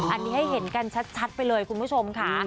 อันนี้ให้เห็นกันชัดไปเลยคุณผู้ชมค่ะ